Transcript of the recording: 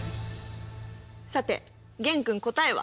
さて玄君答えは？